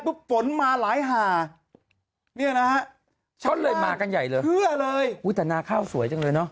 พึ่งฝนมาหลายหาเนี้ยนะฮะชั้นเลยมากันใหญ่เลยเพื่อเลยอื้ย